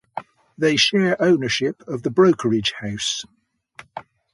They share ownership of the Brokerage house.